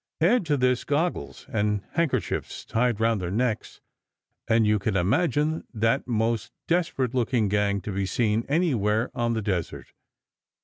Add to this goggles, and handkerchiefs tied round their necks, and you can imagine that most desperate looking gang to be seen anywhere on that desert.